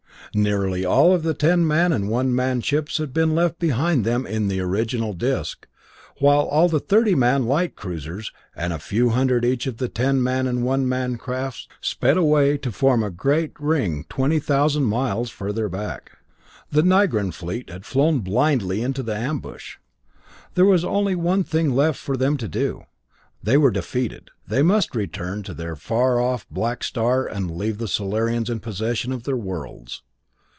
Nearly all of the ten man and one man ships had been left behind them in the original disc, while all the thirty man light cruisers, and a few hundred each of the ten man and one man crafts sped away to form a great ring twenty thousand miles farther back. The Nigran fleet had flown blindly into the ambush. There was only one thing left for them to do. They were defeated. They must return to their far off black star and leave the Solarians in possession of their worlds.